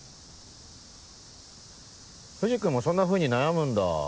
藤君もそんなふうに悩むんだ。